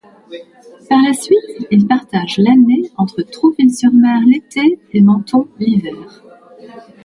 Par la suite, il partage l'année entre Trouville-sur-mer l'été et Menton l'hiver.